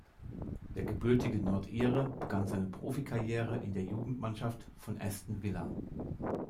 Der gebürtige Nordire begann seine Profikarriere in der Jugendmannschaft von Aston Villa.